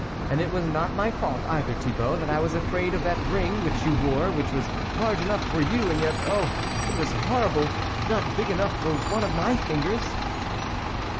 And it was not my fault either, Thibault, that I was afraid of that ring which you wore, which was large enough for you and yet, oh, it was horrible ! not big enough for one of my fingers."